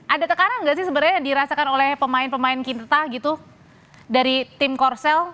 ada tekanan nggak sih sebenarnya yang dirasakan oleh pemain pemain kita gitu dari tim korsel